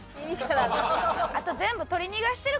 あと全部。